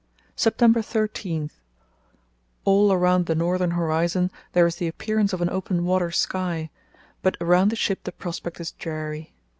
"September 13.—All around the northern horizon there is the appearance of an open water sky, but around the ship the prospect is dreary.